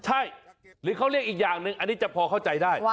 อันนี้เขาเรียกอีกอย่างนึงอันนี้จะพอเข้าใจได้